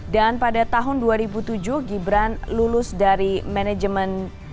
dan pada tahun dua ribu tujuh gibran lulus dari manajemen